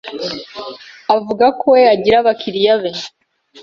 Avuga ko we agira abakiriya be